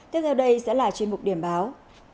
tiếp theo đây sẽ là chuyên mục điểm báo